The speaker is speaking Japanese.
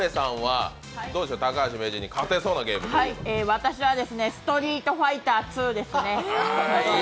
私は「ストリートファイターⅡ」ですね。